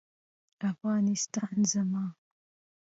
افغانستان زما